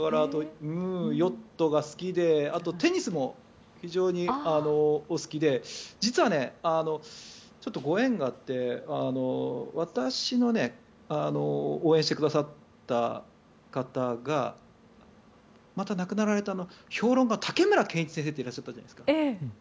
ヨットが好きであとはテニスも非常にお好きで実は、ちょっとご縁があって私の応援してくださった方がまた亡くなられ評論家の竹村健一先生っていらっしゃったじゃないですか。